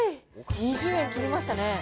２０円切りましたね。